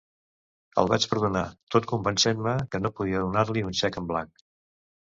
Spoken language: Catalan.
El vaig perdonar, tot convencent-me que no podia donar-li un xec en blanc.